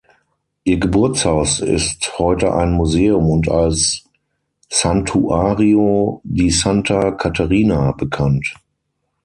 Ihr Geburtshaus ist heute ein Museum und als Santuario di Santa Caterina bekannt.